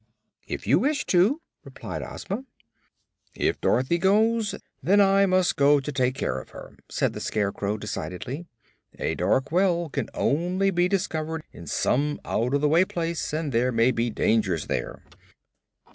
"If you wish to," replied Ozma. "If Dorothy goes, then I must go to take care of her," said the Scarecrow, decidedly. "A dark well can only be discovered in some out of the way place, and there may be dangers there."